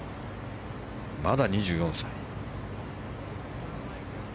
まだ２４歳。